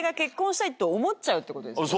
ってことですもんね。